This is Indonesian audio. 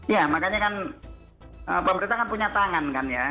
ya makanya kan pemerintah kan punya tangan kan ya